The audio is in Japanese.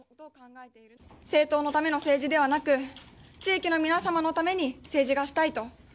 政党のための政治ではなく地域の皆様のために政治がしたいと。